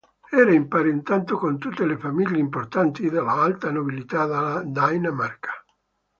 Era imparentato con tutte le famiglie importanti dell'alta nobiltà della Danimarca.